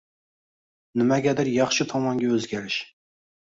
Nimagadir yaxshi tomonga o’zgarish